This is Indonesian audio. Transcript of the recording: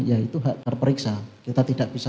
ya itu hak terperiksa kita tidak bisa